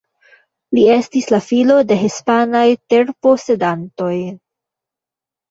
Li estis la filo de hispanaj terposedantoj.